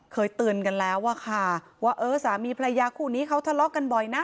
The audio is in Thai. เคยเตือนกันแล้วอะค่ะว่าเออสามีพระยาคู่นี้เขาทะเลาะกันบ่อยนะ